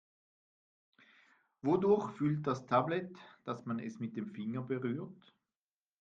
Wodurch fühlt das Tablet, dass man es mit dem Finger berührt?